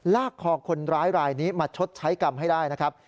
ลากคอคนร้ายรายนี้มาชดใช้กรรมให้ได้นะครับ